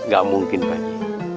gak mungkin pak haji